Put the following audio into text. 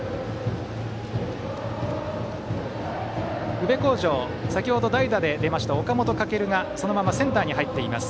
宇部鴻城、先程代打で出た岡本翔がそのままセンターに入っています。